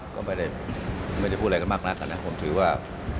ก็ไม่ได้พูดอะไรกันมากนักผมถือว่า